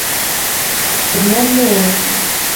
Bina nii.